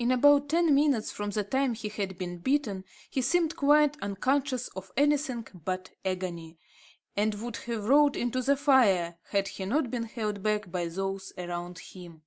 In about ten minutes from the time he had been bitten, he seemed quite unconscious of anything but agony; and would have rolled into the fire, had he not been held back by those around him.